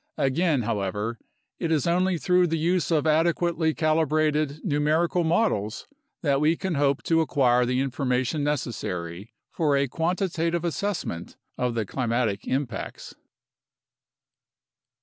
Again, how ever, it is only through the use of adequately calibrated numerical models that we can hope to acquire the information necessary for a quantitative assessment of the climatic impacts.